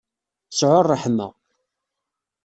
Sɛu ṛṛeḥma.